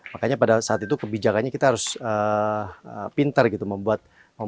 makanya pada saat itu kebijakannya kita harus pinter gitu membuat